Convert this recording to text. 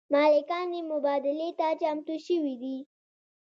مالکان یې مبادلې ته چمتو شوي دي.